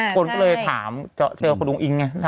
คนก็เลยถามเจอคุณอุ้งอิ๊งไง